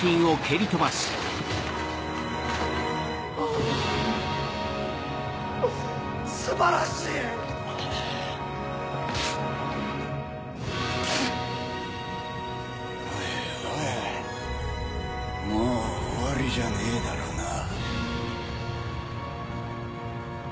おいおいもう終わりじゃねえだろうな。